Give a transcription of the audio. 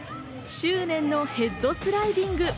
執念のヘッドスライディング。